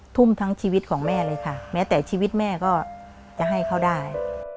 ทุ่มทั้งชีวิตของแม่เลยค่ะแม้แต่ชีวิตแม่ก็จะให้เขาได้